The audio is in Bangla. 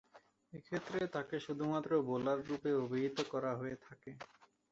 এক্ষেত্রে তাকে শুধুমাত্র বোলাররূপে অভিহিত করা হয়ে থাকে।